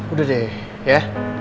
udah deh ya